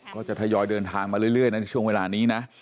ก็จะทยอยเดินทางมาเรื่อยนะในช่วงเวลานี้นะ